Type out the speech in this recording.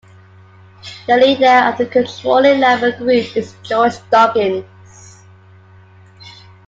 The leader of the controlling Labour group is George Duggins.